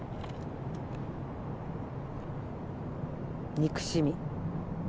憎しみ。